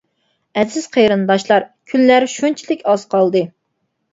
ئەزىز قېرىنداشلار كۈنلەر شۇنچىلىك ئاز قالدى.